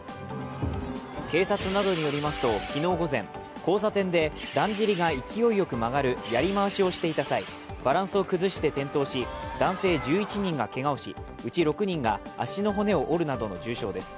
警察などによりますと昨日午前、交差点でだんじりが勢いよく曲がるやりまわしをしていた際バランスを崩して転倒し、男性１１人がけがをし、うち６人が足の骨を折るなどの重傷です。